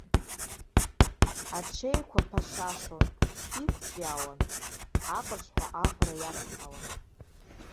Аҽеиқәа ԥашашон, иқәҵәиаауан, аҟырҿҳәа аӷәра иацҳауан.